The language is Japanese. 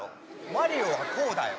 マリオはこうだよ。